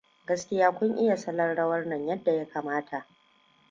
Gaskiya kun iya salon rawar nan yadda ya kamata.